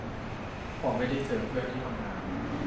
พอไม่ได้เจอเพื่อนที่ทำงาน